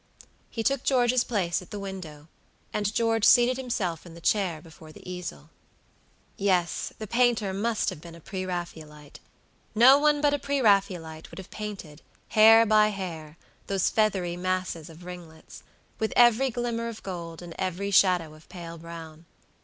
He took George's place at the window, and George seated himself in the chair before the easel. Yes, the painter must have been a pre Raphaelite. No one but a pre Raphaelite would have painted, hair by hair, those feathery masses of ringlets, with every glimmer of gold, and every shadow of pale brown.